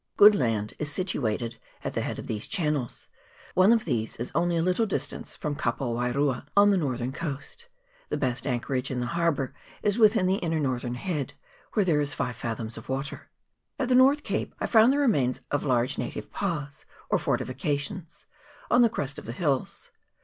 Good land is situated at the head of these channels ; one of these is only a little distance from Ka po wairua on the northern coast. The best anchorage in the harbour is within the inner northern head, where there is five fathoms water. At the North Cape I found the remains of large native pas, or fortifications, on the crest of the hills.